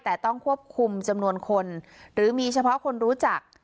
แต่ต้องควบคุมจำนวนคนหรือมีเฉพาะคนรู้จัก